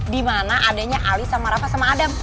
dimana adanya ali sama rafa sama adam